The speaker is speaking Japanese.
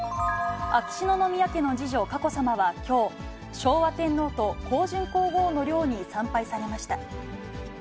秋篠宮家の次女、佳子さまはきょう、昭和天皇と香淳皇后の陵に参拝されました。